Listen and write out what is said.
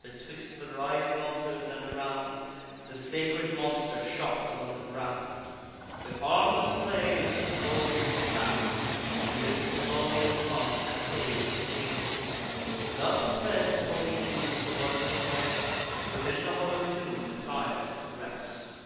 Betwixt the rising altars, and around, The sacred monster shot along the ground; With harmless play amidst the bowls he pass'd, And with his lolling tongue assay'd the taste: Thus fed with holy food, the wondrous guest Within the hollow tomb retir'd to rest.